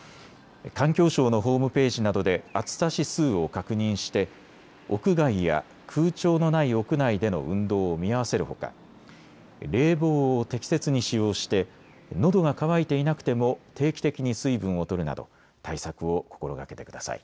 環境省のホームページなどで暑さ指数を確認して屋外や空調のない屋内での運動を見合わせるほか冷房を適切に使用してのどが渇いていなくても定期的に水分をとるなど対策を心がけてください。